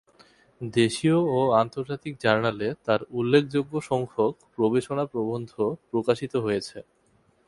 দেশীয় ও আন্তর্জাতিক জার্নালে তার উল্লেখযোগ্য সংখ্যক গবেষণা প্রবন্ধ প্রকাশিত হয়েছে।